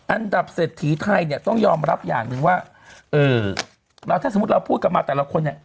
อันดับเศรษฐีไทยเนี่ยต้องยอมรับอย่างหนึ่งว่าเออแล้วถ้าสมมุติเราพูดกลับมาแต่ละคนเนี่ย